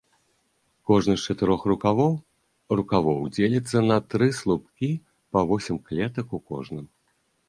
Кожны з чатырох рукавоў рукавоў дзеліцца на тры слупкі, па восем клетак у кожным.